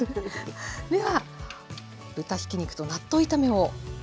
では豚ひき肉と納豆炒めを頂きます。